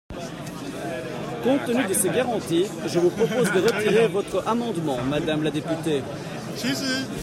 Compte tenu de ces garanties, je vous propose de retirer votre amendement, madame la députée.